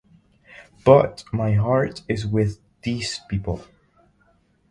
But my heart is with this people.